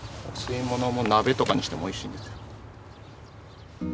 鍋とかにしてもおいしいんですよ。